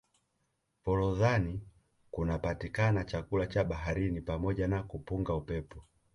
forodhani kunapatikana chakula cha baharini pamoja na kupunga upepo